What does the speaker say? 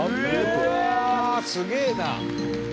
「うわーすげえな！」